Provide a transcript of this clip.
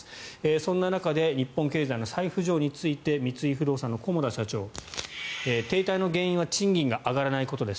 そんな中で日本経済の再浮上について三井不動産の菰田社長停滞の原因は賃金が上がらないことです。